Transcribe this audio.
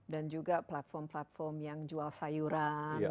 dan juga platform platform yang jual sayuran